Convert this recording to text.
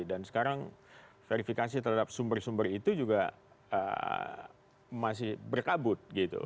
dan sekarang verifikasi terhadap sumber sumber itu juga masih berkabut